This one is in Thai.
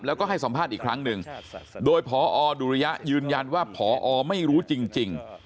แล้วก็ให้สัมภาษณ์อีกครั้งหนึ่งโดยพอดุริยะยืนยันว่าพอไม่รู้จริง